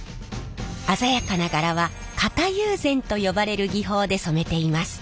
鮮やかな柄は型友禅と呼ばれる技法で染めています。